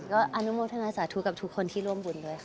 ก็อนุโมทนาสาธุกับทุกคนที่ร่วมบุญด้วยค่ะ